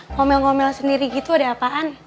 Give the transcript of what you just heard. ngomel ngomel sendiri gitu ada apaan